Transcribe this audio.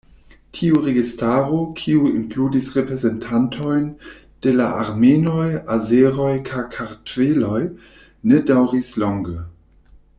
Tiu registaro, kiu inkludis reprezentantojn de la armenoj, azeroj kaj kartveloj ne daŭris longe.